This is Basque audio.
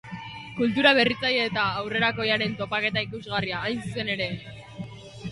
Kultura berritzaile eta aurrerakoiaren topaketa ikusgarria, hain zuzen ere.